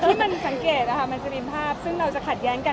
ที่มันสังเกตนะคะมันสริมภาพซึ่งเราจะขัดแย้งกัน